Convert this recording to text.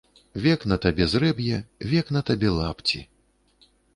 Век на табе зрэб'е, век на табе лапці.